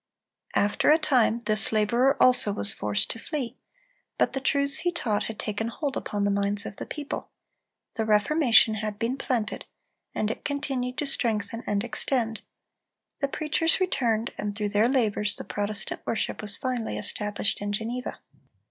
After a time this laborer also was forced to flee; but the truths he taught had taken hold upon the minds of the people. The Reformation had been planted, and it continued to strengthen and extend. The preachers returned, and through their labors the Protestant worship was finally established in Geneva.